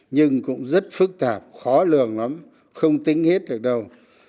nhưng cũng rất phức tạp khó lường lắm không tính hết được đâu